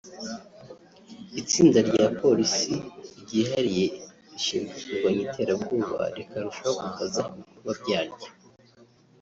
itsinda rya Polisi ryihariye rishinzwe kurwanya Iterabwoba rikarushaho gukaza ibikorwa bya ryo